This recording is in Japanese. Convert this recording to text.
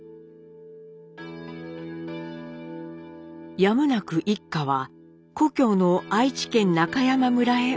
やむなく一家は故郷の愛知県中山村へ戻ります。